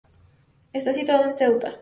Está situado en Ceuta.